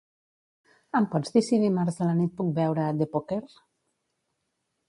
Em pots dir si dimarts a la nit puc veure "The Poker"?